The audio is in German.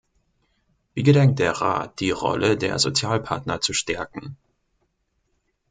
Wie gedenkt der Rat die Rolle der Sozialpartner zu stärken?